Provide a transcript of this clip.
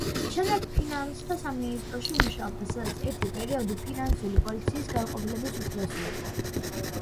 შემდეგ ფინანსთა სამინისტროში მუშაობდა, სადაც ერთი პერიოდი ფინანსური პოლიციის განყოფილების უფროსი იყო.